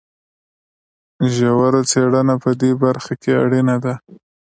ژوره څېړنه په دې برخه کې اړینه ده.